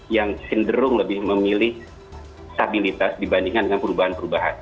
yang cenderung lebih memilih stabilitas dibandingkan dengan perubahan perubahan